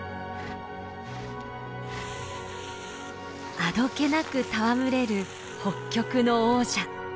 あどけなく戯れる北極の王者。